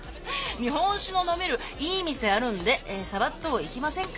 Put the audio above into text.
「日本酒の飲めるいい店あるんでサバっと行きませんか？」